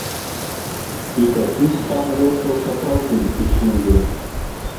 І такі стан рэчаў сапраўды існуе.